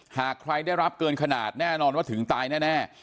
หากใครได้รับเกินขนาดแน่นอนว่าถึงตายแน่